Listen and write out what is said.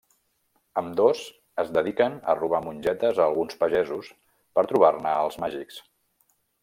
Ambdós es dediquen a robar mongetes a alguns pagesos per trobar-ne els màgics.